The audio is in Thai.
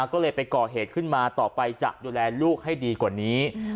ก็เลยไปก่อเหตุขึ้นมาต่อไปจะดูแลลูกให้ดีกว่านี้